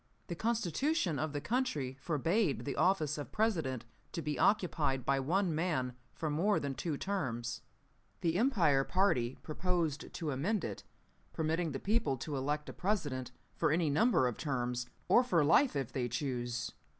"The Constitution of the country forbade the office of President to be occupied by one man for more than two terms. The Empire party proposed to amend it, permitting the people to elect a President for any number of terms, or for life if they choose.